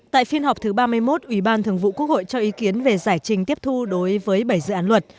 tại phiên họp thứ ba mươi một ủy ban thường vụ quốc hội cho ý kiến về giải trình tiếp thu đối với bảy dự án luật